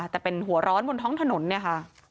แต่เป็นหัวร้อนบนท้องถนนเนี่ยค่ะ